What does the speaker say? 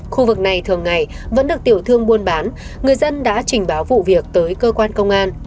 khu vực này thường ngày vẫn được tiểu thương buôn bán người dân đã trình báo vụ việc tới cơ quan công an